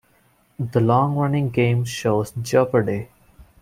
The long-running game shows Jeopardy!